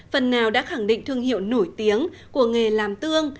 phần nào đã khẳng định thương hiệu nổi tiếng của nghề làm tương